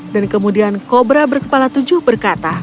dan kemudian kobra berkepala tujuh berkata